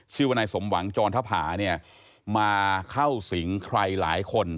ชื่อว่านายสมหวังจรทภามาเข้าสิงใครหลายคน